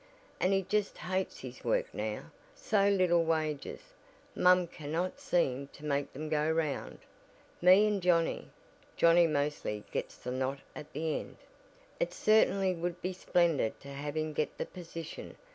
And he just hates his work now so little wages; mom cannot seem to make them go around me and Johnnie; Johnnie mostly gets the knot at the end." "It certainly would be splendid to have him get the position.